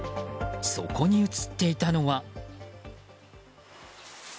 そこに映っていたのは。